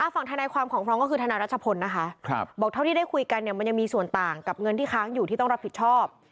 ทนายความของพร้อมก็คือทนายรัชพลนะคะบอกเท่าที่ได้คุยกันเนี่ยมันยังมีส่วนต่างกับเงินที่ค้างอยู่ที่ต้องรับผิดชอบ